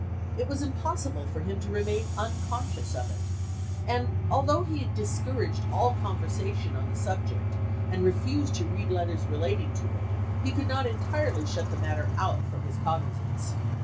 It was impos sible for him to remain unconscious of it; and although he discouraged all conversation on the subject and refused to read letters relating to it, he could not entirely shut the matter out from his cognizance.